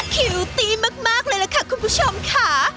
คิวตี้มากเลยล่ะค่ะคุณผู้ชมค่ะ